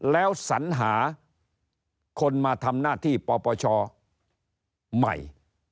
แล้วสัญหาคนมาทำหน้าที่ปปชใหม่